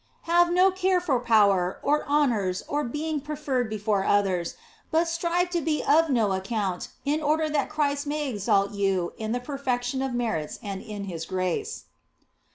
" Have no care for power, or honours, or being preferred before others, but strive ye to be of no account in order that Christ may exalt you in the perfection of merits and in His grace.